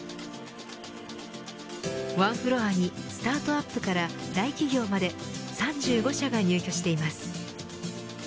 ワンフロアにスタートアップから大企業まで３５社が入居しています。